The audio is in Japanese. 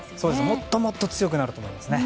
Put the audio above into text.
もっともっと強くなると思いますね。